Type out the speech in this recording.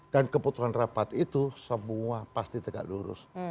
dan keputusan rapat itu semua pasti tegak lurus